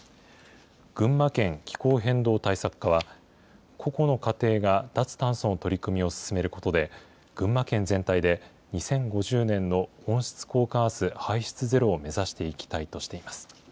群馬県気候変動対策課は、個々の家庭が脱炭素の取り組みを進めることで、群馬県全体で、２０５０年の温室効果ガス排出ゼロを目指していきたいとしています。